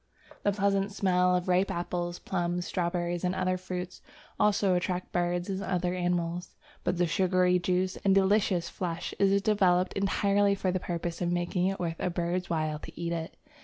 The pleasant smell of ripe apples, plums, strawberries, and other fruits, also attracts birds and other animals. But the sugary juice and delicious flesh is developed entirely for the purpose of making it worth a bird's while to eat it.